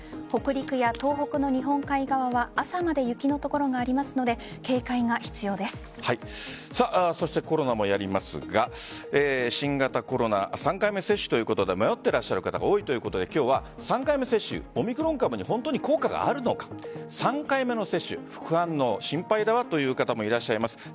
北陸や東北の日本海側は朝まで雪の降る所がありますのでそしてコロナもやりますが新型コロナ３回目接種ということで迷ってらっしゃる方が多いということで今日は３回目接種オミクロン株に本当に効果があるのか３回目の接種、副反応心配だわという方もいらっしゃいます。